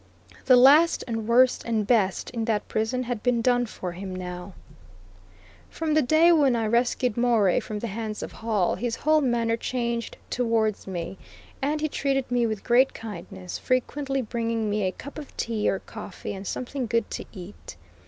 The last and worst and best in that prison had been done for him now. From the day when I rescued Morey from the hands of Hall, his whole manner changed towards me, and he treated me with great kindness, frequently bringing me a cup of tea or coffee, and something good to eat.